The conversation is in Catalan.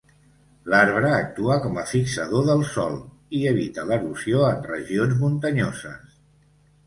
L'arbre actua com a fixador del sòl i evita l'erosió en regions muntanyoses.